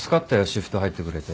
シフト入ってくれて。